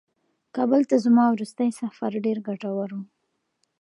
کابل ته زما وروستی سفر ډېر ګټور و.